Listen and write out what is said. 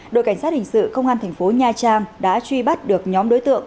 đội cảnh sát hình sự công an thành phố nha trang đã truy bắt được nhóm đối tượng